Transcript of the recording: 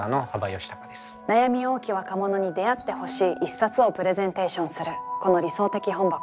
悩み多き若者に出会ってほしい一冊をプレゼンテーションするこの「理想的本箱」。